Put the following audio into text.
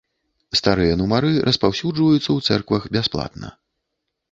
Старыя нумары распаўсюджваюцца ў цэрквах бясплатна.